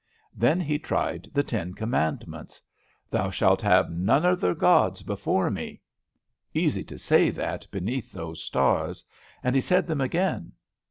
Then he tried the ten commandments. "Thou shalt have none other Gods before me:" easy to say that beneath those stars; and he said them again.